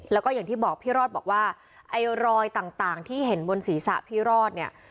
แล้วก็อย่างที่บอกพี่รอดบอกว่าไอ้รอยต่างที่เห็นบนศีรษะพี่รอดเนี่ย